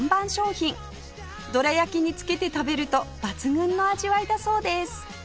どら焼きに付けて食べると抜群の味わいだそうです